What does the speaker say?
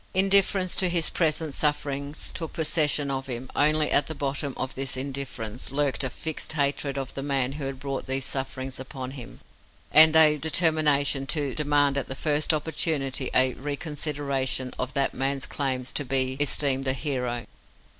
Indifference to his present sufferings took possession of him; only at the bottom of this indifference lurked a fixed hatred of the man who had brought these sufferings upon him, and a determination to demand at the first opportunity a reconsideration of that man's claims to be esteemed a hero.